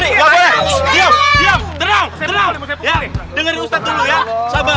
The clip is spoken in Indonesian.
dengar ustaz dulu ya